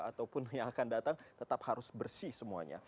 ataupun yang akan datang tetap harus bersih semuanya